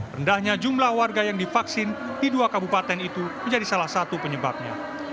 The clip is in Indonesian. rendahnya jumlah warga yang divaksin di dua kabupaten itu menjadi salah satu penyebabnya